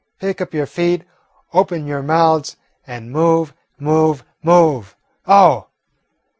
Pick up your feet, open your mouths, and move, move, move! Oh!"